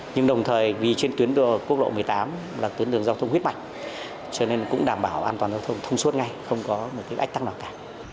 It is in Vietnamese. nhưng đồng thời vì trên tuyến quốc lộ một mươi tám là tuyến đường giao thông huyết mạch cho nên cũng đảm bảo an toàn giao thông thông suốt ngay không có một cái ách tắc nào cả